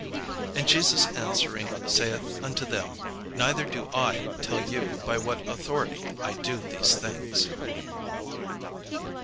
And Jesus answering saith unto them, "Neither do I tell you by what authority I do these things."